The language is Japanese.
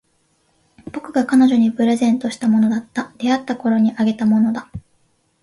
僕が彼女にプレゼントしたものだった。出会ったころにあげたものだ。